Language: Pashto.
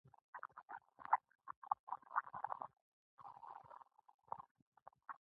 بوتل د انسان خوندیتوب زیاتوي.